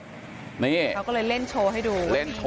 เขาก็เลยเล่นโชว์ให้ดู